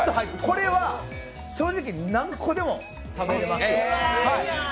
これは正直、何個でも食べれますよ